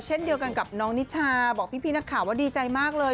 เช่นเดียวกันกับน้องนิชาบอกพี่นักข่าวว่าดีใจมากเลย